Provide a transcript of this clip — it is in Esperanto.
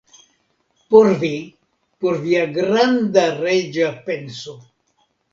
Por vi; por via granda reĝa penso!